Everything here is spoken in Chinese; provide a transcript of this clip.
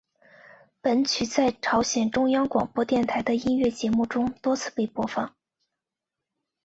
本曲在朝鲜中央广播电台的音乐节目中多次被播放。